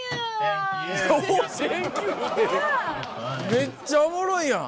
めっちゃおもろいやん。